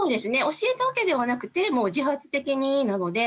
教えたわけではなくて自発的になので。